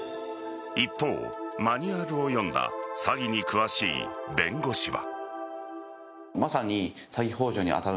一方、マニュアルを読んだ詐欺に詳しい弁護士は。